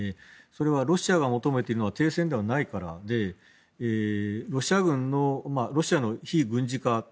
それはロシアが求めているのは停戦ではないからでロシア軍の非軍事化